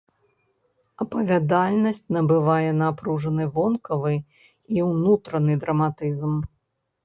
Апавядальнасць набывае напружаны вонкавы і ўнутраны драматызм.